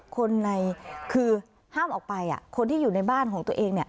คือห้ามออกไปคนที่อยู่ในบ้านของตัวเอง